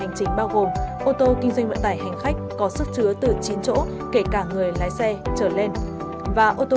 gồm ô tô kinh doanh vận tải hành khách có sức chứa từ chín chỗ kể cả người lái xe trở lên và ô tô